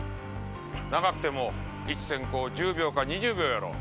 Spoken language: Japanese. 長くても１閃光１０２０秒やろ。